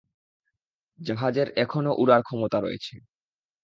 জাহাজের এখনও উড়ার ক্ষমতা রয়েছে।